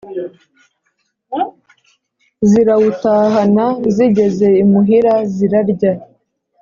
zirawutahana zigeze imuhira zirarya,